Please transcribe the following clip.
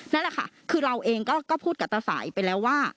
นั่นแหละค่ะคือเราเองก็พูดกับตาสายไปแล้วว่า